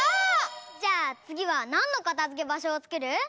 じゃあつぎはなんのかたづけばしょをつくる？